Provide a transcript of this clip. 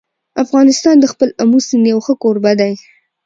افغانستان د خپل آمو سیند یو ښه کوربه دی.